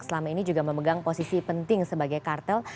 selama ini juga memegang posisi penting sebagai kartel